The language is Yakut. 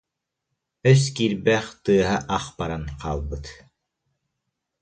Өс киирбэх, тыаһа ах баран хаалбыт